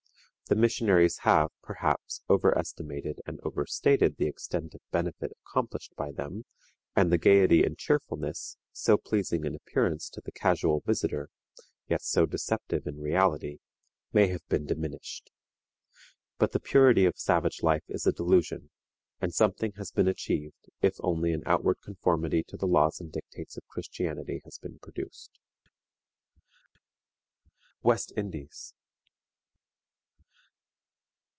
The missionaries have, perhaps, overestimated and overstated the extent of benefit accomplished by them, and the gayety and cheerfulness, so pleasing in appearance to the casual visitor, yet so deceptive in reality, may have been diminished. But the purity of savage life is a delusion, and something has been achieved if only an outward conformity to the laws and dictates of Christianity has been produced. WEST INDIES.